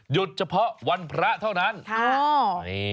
หยุดเฉพาะวันพระเท่านั้นนะครับโอ้โฮนี่